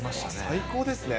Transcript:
最高ですね。